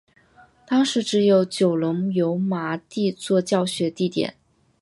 当时只有九龙油麻地作教学地点。